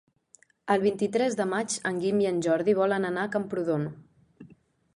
El vint-i-tres de maig en Guim i en Jordi volen anar a Camprodon.